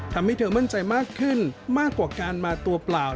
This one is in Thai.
ทำให้เธอมั่นใจมากขึ้นมากกว่าการมาตัวเปล่า